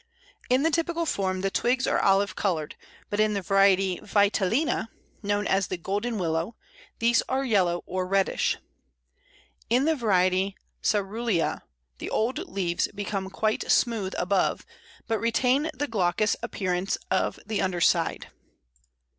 In the typical form the twigs are olive coloured, but in the variety vitellina (known as the Golden Willow) these are yellow or reddish. In the variety cærulea the old leaves become quite smooth above, but retain the glaucous appearance of the underside.